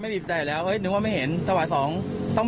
หยิบมีดมาอีกทีหนึ่ง